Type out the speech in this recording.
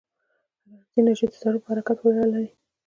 حرارتي انرژي د ذرّو په حرکت پورې اړه لري.